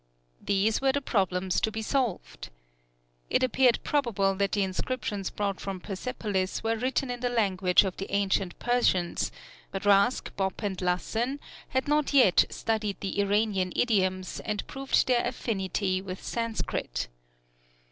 These were the problems to be solved! It appeared probable that the inscriptions brought from Persepolis were written in the language of the ancient Persians, but Rask, Bopp, and Lassen had not yet studied the Iranian idioms and proved their affinity with Sanskrit.